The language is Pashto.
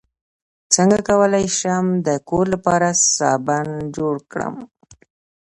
څنګه کولی شم د کور لپاره صابن جوړ کړم